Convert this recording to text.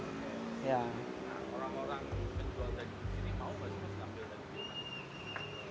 nah orang orang yang jual daging di sini mau gak sih ambil dari piungan